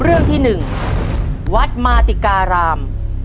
เรื่องที่๑วัดมาติการาม